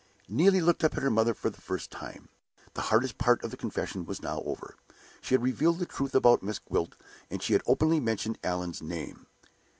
Neelie looked up at her mother for the first time. The hardest part of the confession was over now. She had revealed the truth about Miss Gwilt, and she had openly mentioned Allan's name.